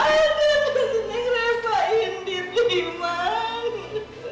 aku ingin berhenti aku ingin berhenti dengan dirimu